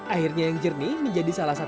airnya yang jernih menjadi saluran air asin